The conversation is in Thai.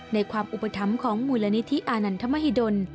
ในความอุปถัมภ์ของมูลนิธิอานันทมหิดล